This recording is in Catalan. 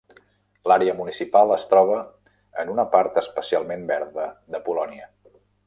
L'àrea municipal es troba en una part especialment verda de Polònia.